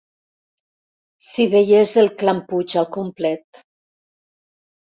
Si veiés el clan Puig al complet!